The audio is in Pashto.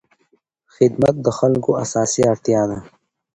خدمت د خلکو اساسي اړتیا ده.